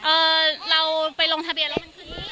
เอ่อเราไปลงทะเบียนแล้ว